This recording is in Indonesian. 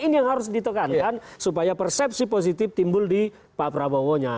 ini yang harus ditekankan supaya persepsi positif timbul di pak prabowo nya